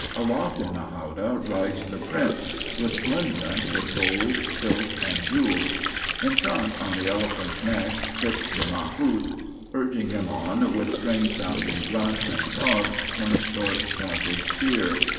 Aloft in the howdah rides the prince, resplendent with gold, silk, and jewels. In front, on the elephant's neck, sits the mahout, urging him on with strange sounding grunts, and prods from a short pointed spear.